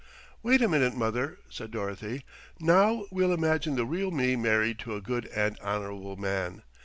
"Wait a minute, mother," said Dorothy. "Now we'll imagine the real me married to a good and honourable man.